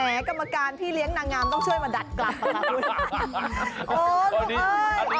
กรรมการพี่เลี้ยงนางงามต้องช่วยมาดัดกลับค่ะ